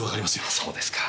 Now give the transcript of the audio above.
そうですか。